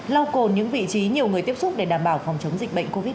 lau cồn những vị trí nhiều người tiếp xúc để đảm bảo phòng chống dịch bệnh covid một mươi